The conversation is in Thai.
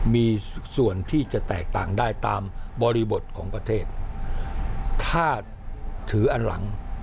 มีส่วนที่จะแตกต่างได้ตามบริบทของประเทศถ้าถืออันหลัง